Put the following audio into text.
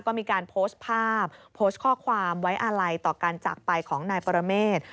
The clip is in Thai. ก็มีการโพสต์ภาพโพสต์ข้อความไว้อาลัยต่อการจากไปของนายปรเมฆ